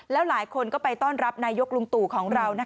แล้วหลายคนก็ไปต้อนรับนายกลุงตู่ของเรา